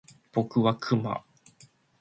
僕はクマ